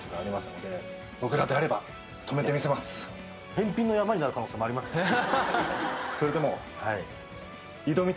返品の山になる可能性もありますからね。